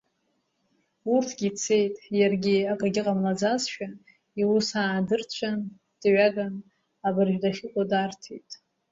Урҭгьы цеит, иаргьы акгьы ҟамлаӡазшәа иус аадырцәан, дҩаган абыржәы дахьыҟоу дарҭеит.